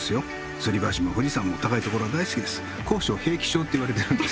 つり橋も富士山も高いところは大好きです。